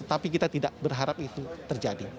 tapi kita tidak berharap itu terjadi